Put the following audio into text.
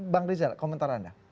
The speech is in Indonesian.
bang rizal komentar anda